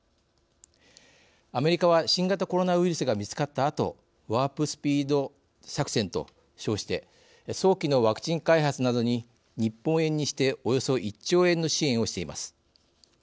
アメリカは新型コロナウイルスが見つかったあとワープスピード作戦と称して早期のワクチン開発などに日本円にしておよそ１兆円の支援をしています。